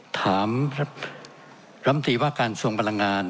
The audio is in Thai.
ถามรำตีว่าการทรงพลังงาน